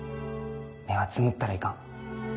目はつむったらいかん。